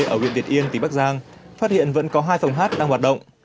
ở huyện việt yên tỉnh bắc giang phát hiện vẫn có hai phòng hát đang hoạt động